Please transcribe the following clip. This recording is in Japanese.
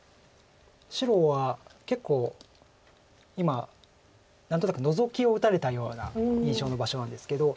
白は結構今何となくノゾキを打たれたような印象の場所なんですけど。